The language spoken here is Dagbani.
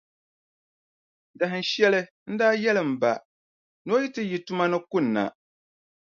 Dahinshɛli, n daa yɛli m ba, ni o yi ti yi tuma ni kunna,